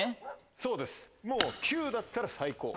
そうですもう９だったら最高。